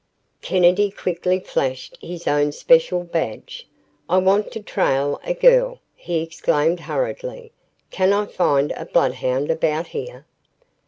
Kennedy quickly flashed his own special badge. "I want to trail a girl," he exclaimed hurriedly. "Can I find a bloodhound about here?"